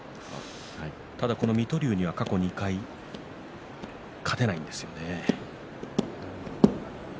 狼雅はこの水戸龍には過去２回勝ててないんですよね。